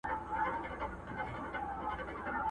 سپینو پلوشو یې باطل کړي منترونه دي!!